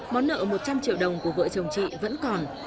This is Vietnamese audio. món nợ một trăm linh triệu đồng của vợ chồng chị vẫn còn